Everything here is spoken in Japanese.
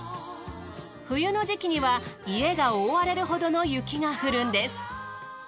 冬の時期には家が覆われるほどの雪が降るんです。